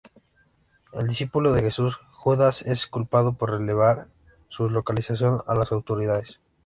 El discípulo de Jesús Judas es culpado por revelar su localización a las autoridades.